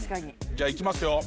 じゃあいきますよ。